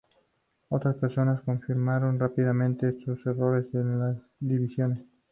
Otras personas confirmaron rápidamente estos errores en las divisiones.